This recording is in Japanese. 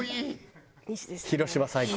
広島最高！